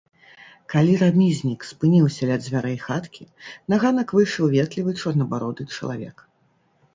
Калі рамізнік спыніўся ля дзвярэй хаткі, на ганак выйшаў ветлівы чорнабароды чалавек.